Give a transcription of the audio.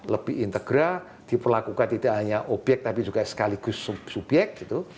lebih integral diperlakukan tidak hanya obyek tapi juga sekaligus subyek gitu